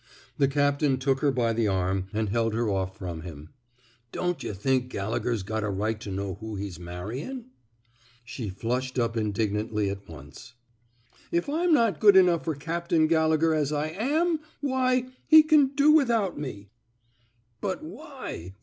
The captain took her by the arm and held her off from him. Don't yuh think Gallegher's got a right to know who he's marryin'? " She flushed up indignantly at once. If 292 NOT FOE PUBLICATION I'm not good enough for Captain Galle gher as I anij why — he can do without me I 'But why!